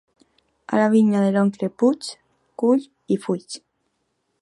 A la vinya de l'oncle Puig, cull i fuig.